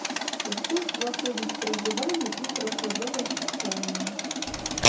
У кошт уваходзіць пражыванне і трохразовае харчаванне.